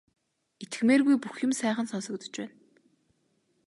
Итгэмээргүй бүх юм сайхан сонсогдож байна.